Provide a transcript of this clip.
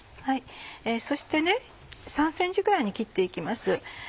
そして３ｃｍぐらいに切って行きます。